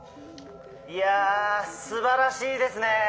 いやぁすばらしいですねぇ。